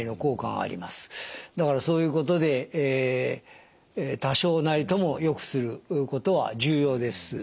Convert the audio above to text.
だからそういうことで多少なりともよくすることは重要です。